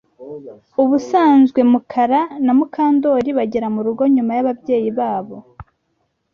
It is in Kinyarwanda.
Ubusanzwe Mukara na Mukandoli bagera murugo nyuma yababyeyi babo